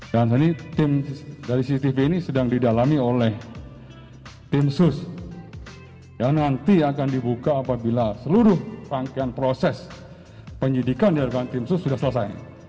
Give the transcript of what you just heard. tim dari cctv ini sedang didalami oleh tim khusus yang nanti akan dibuka apabila seluruh rangkaian proses penyidikan dari tim khusus sudah selesai